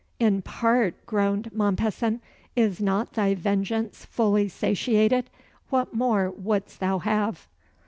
"In part!" groaned Mompesson. "Is not thy vengeance fully satiated? What more wouldst thou have?"